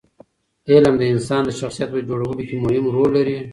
علم د انسان د شخصیت په جوړولو کې مهم رول لري.